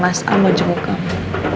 mba juga punya hadiah buat kamu